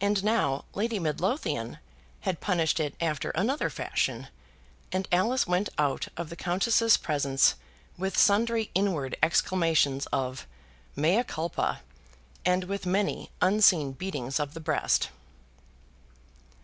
And now Lady Midlothian had punished it after another fashion, and Alice went out of the Countess's presence with sundry inward exclamations of "mea culpa," and with many unseen beatings of the breast.